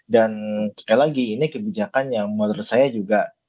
dan sekali lagi ini kebijakan yang menurut saya juga